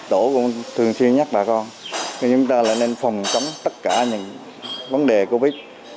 tổ cũng thường xuyên nhắc bà con chúng ta nên phòng chống tất cả những vấn đề covid